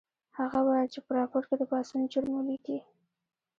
هغه وویل چې په راپور کې د پاڅون جرم ولیکئ